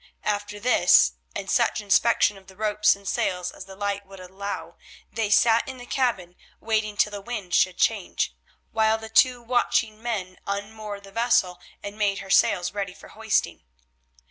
After this and such inspection of the ropes and sails as the light would allow, they sat in the cabin waiting till the wind should change, while the two watching men unmoored the vessel and made her sails ready for hoisting.